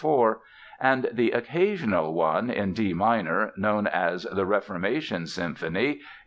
4, and the "occasional" one in D minor, known as the "Reformation Symphony" (1830 32), as No.